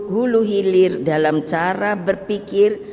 hulu hilir dalam cara berpikir